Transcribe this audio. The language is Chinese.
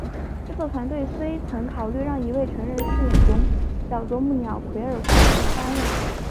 制作团队虽曾考虑让一位成人饰演小啄木鸟奎尔负责担任。